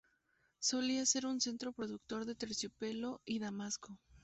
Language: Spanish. Solía ser un centro productor de terciopelo y damasco.